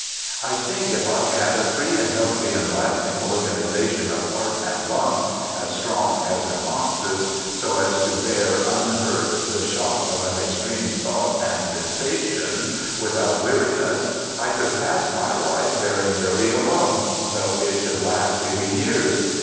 * I think if I had a free and healthy and lasting organization of heart and lungs as strong as an ox's, so as to bear unhurt the shock of an extreme thought and sensation without weariness, I could pass my life very nearly alone, though it should last eighty years.